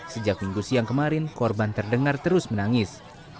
sejak minggu siang kemarin korban terdengar terus menangis